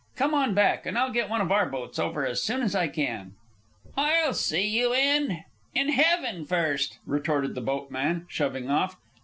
Come on back, and I'll get one of our boats over as soon as I can." "I'll see you in in heaven first," retorted the boatman, shoving off.